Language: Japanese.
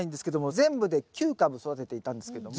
全部で９株育てていたんですけども。